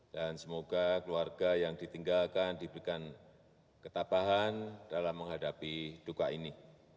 dan semoga keluarga yang ditinggalkan diberikan ketabahan dalam menghadapi duka ini